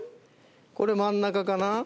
これ真ん中かな？